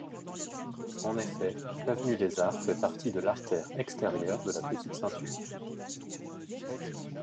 En effet, l'avenue des Arts fait partie de l'artère extérieure de la petite ceinture.